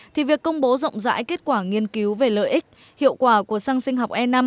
thì việc công bố rộng rãi kết quả nghiên cứu về lợi ích hiệu quả của xăng sinh học e năm